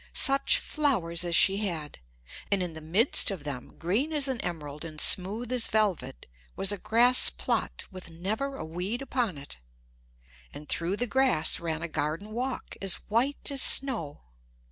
Such flowers as she had! And in the midst of them, green as an emerald and smooth as velvet, was a grass plot with never a weed upon it. And through the grass ran a garden walk as white as snow.